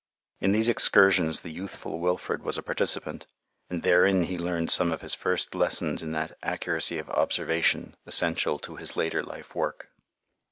In these excursions the youthful Wilfred was a participant, and therein he learned some of his first lessons in that accuracy of observation essential to his later life work.